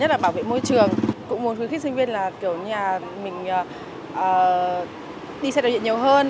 đi xe đạp điện nhiều hơn